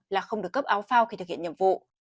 là không được cấp áo phao khi thực hiện nhiệm vụ